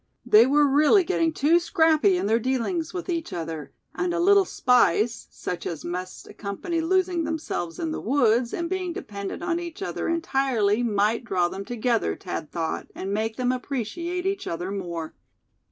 They were really getting too "scrappy" in their dealings with each other; and a little spice, such as must accompany losing themselves in the woods, and being dependent on each other entirely, might draw them together, Thad thought, and make them appreciate each other more.